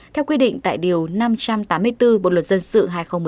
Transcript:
theo quy định tại điều năm trăm tám mươi bốn bộ luật dân sự hai nghìn một mươi năm